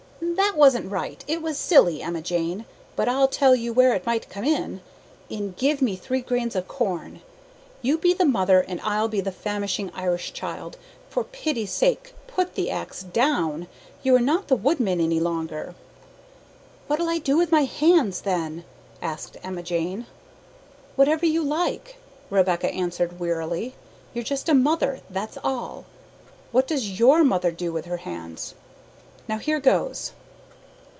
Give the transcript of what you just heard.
"That wasn't right, it was silly, Emma Jane; but I'll tell you where it might come in in Give me Three Grains of Corn. You be the mother, and I'll be the famishing Irish child. For pity's sake put the axe down; you are not the woodman any longer!" "What'll I do with my hands, then?" asked Emma Jane. "Whatever you like," Rebecca answered wearily; "you're just a mother that's all. What does YOUR mother do with her hands? Now here goes!